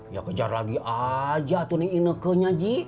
ya kejar lagi aja tuh nih nekanya ji